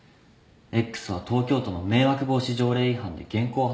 Ｘは東京都の迷惑防止条例違反で現行犯逮捕された。